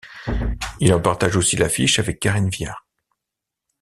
Il en partage aussi l'affiche avec Karine Viard.